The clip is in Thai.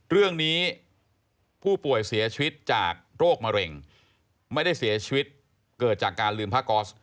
เรื่องนี้ผู้ป่วยเสียชีวิตจากโรคมะเร็งไม่ได้เสียชีวิตเกิดจากการลืมผ้าก๊อส